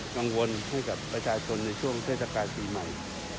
กังวลให้กับประชาชนในช่วงเทศกาลปีใหม่